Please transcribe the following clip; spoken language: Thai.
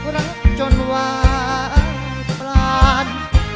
รักจนวางปลา